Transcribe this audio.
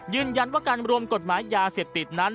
ยืนยันว่าการรวมกฎหมายยาเสพติดนั้น